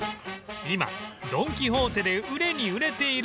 今ドン・キホーテで売れに売れているのが